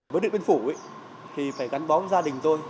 với điện biên phủ thì phải gắn bóng gia đình tôi